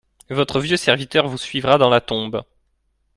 Votre vieux serviteur vous suivra dans la tombe.